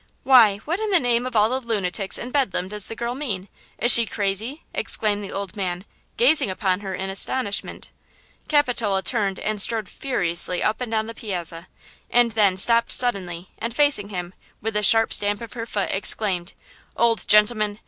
"Why, what in the name of all the lunatics in Bedlam does the girl mean? Is she crazy?" exclaimed the old man, gazing upon her in astonishment. Capitola turned and strode furiously up and down the piazza, and then, stopped suddenly and facing him, with a sharp stamp of her foot exclaimed: "Old gentleman!